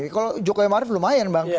kalau jokowi maruf lumayan bang